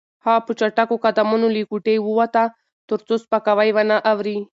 هغه په چټکو قدمونو له کوټې ووته ترڅو سپکاوی ونه اوري.